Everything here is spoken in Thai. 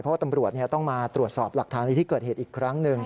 เพราะว่าตำรวจต้องมาตรวจสอบหลักฐานในที่เกิดเหตุอีกครั้งหนึ่ง